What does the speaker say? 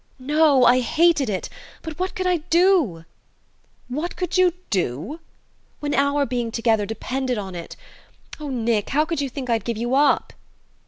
"No: I hated it. But what could I do?" "What could you do?" "When our being together depended on it? Oh, Nick, how could you think I'd give you up?"